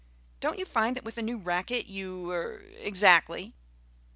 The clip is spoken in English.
Don't you find that with a new racquet you er exactly."